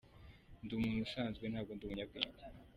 Ndi umuntu usanzwe, ntabwo ndi umunyabwenge.